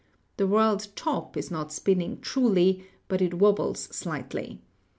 The world top is not spinning truly, but it no GEOLOGY wobbles slightly.